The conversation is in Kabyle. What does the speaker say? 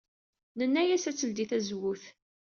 Nenna-as ad teldey tazewwut.